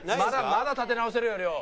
まだ立て直せるよ亮。